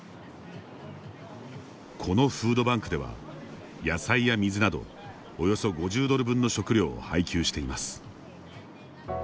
このフードバンクでは野菜や水などおよそ５０ドル分の食料を配給しています。